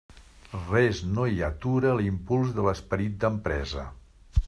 Res no hi atura l'impuls de l'esperit d'empresa.